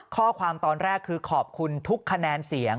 ข้อความตอนแรกคือขอบคุณทุกคะแนนเสียง